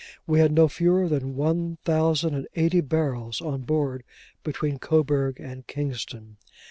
We had no fewer than one thousand and eighty barrels on board, between Coburg and Kingston.